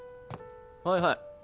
はいはい。